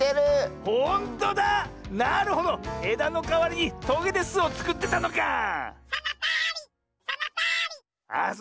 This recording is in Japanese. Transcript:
えだのかわりにトゲですをつくってたのかあ！